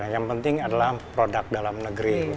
yang penting adalah produk dalam negeri